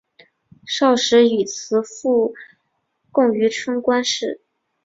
少时以辞赋贡于春官氏。